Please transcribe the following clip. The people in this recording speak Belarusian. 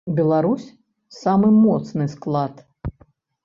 Беларусь самы моцны склад.